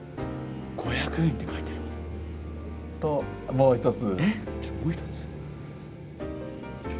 もう一つ。